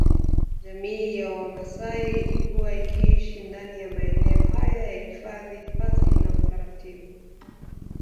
Jamii ya Wamaasai ilikuwa ikiishi ndani ya maeneo haya ya hifadhi pasi na utaratibu